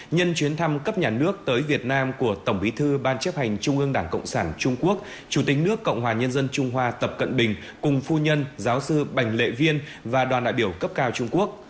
nhân chuyến thăm cấp nhà nước tới việt nam của tổng bí thư ban chấp hành trung ương đảng cộng sản trung quốc chủ tịch nước cộng hòa nhân dân trung hoa tập cận bình cùng phu nhân giáo sư bành lệ viên và đoàn đại biểu cấp cao trung quốc